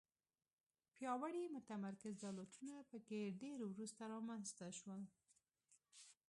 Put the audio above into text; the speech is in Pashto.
پیاوړي متمرکز دولتونه په کې ډېر وروسته رامنځته شول.